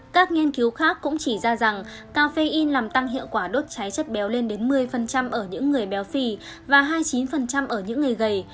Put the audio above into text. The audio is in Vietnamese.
các nghiên cứu khác cũng chỉ ra rằng cà phê in làm tăng hiệu quả đốt cháy chất béo lên đến một mươi ở những người béo phì và hai mươi chín ở những người gầy